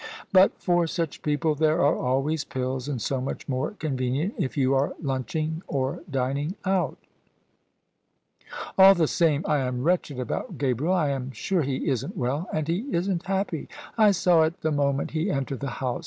But THE SUBJECTION for such people there are always pills, and so much more convenient if you are lunching or dining out." "All the same, I am wretched about Gabriel. I am sure he isn't well and he isn't happy. I saw it the moment he entered the house."